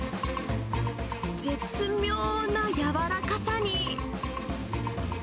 絶妙な柔らかさに。